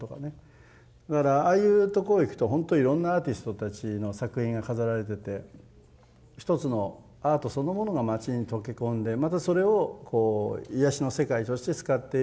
だからああいう所行くとほんといろんなアーティストたちの作品が飾られてて一つのアートそのものが町に溶け込んでまたそれを癒やしの世界として使っている環境があるわけで。